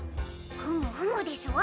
ふむふむですわ。